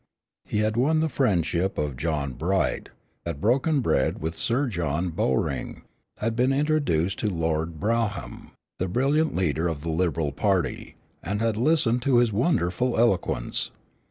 He had won the friendship of John Bright, had broken bread with Sir John Bowring, had been introduced to Lord Brougham, the brilliant leader of the Liberal party, and had listened to his wonderful eloquence.